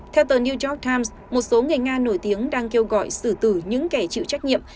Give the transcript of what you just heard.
theo tờ new york times một số người nga nổi tiếng đang kêu gọi sử tử những kẻ chịu trách nhiệm